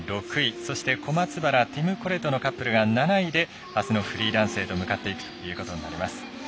そして小松原、ティム・コレトのカップルが７位であすのフリーダンスへと向かっていくことになります。